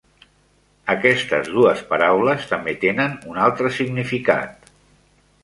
Aquestes dues paraules també tenen un altre significat.